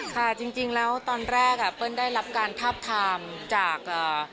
ค่ะจริงแล้วตอนแรกเปิ้ลได้รับการทับทามจาก